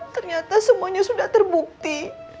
ternyata semuanya sudah terbukti